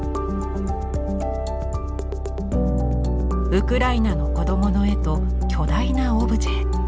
ウクライナの子どもの絵と巨大なオブジェ。